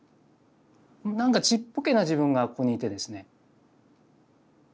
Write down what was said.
なんかちっぽけな自分がここにいてですね。